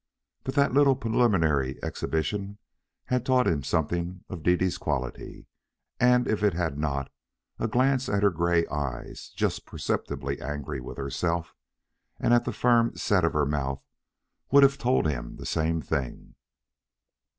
But that little preliminary exhibition had taught him something of Dede's quality. And if it had not, a glance at her gray eyes, just perceptibly angry with herself, and at her firm set mouth, would have told him the same thing.